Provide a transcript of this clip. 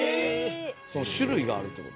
その種類があるってこと？